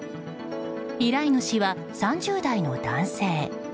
依頼主は３０代の男性。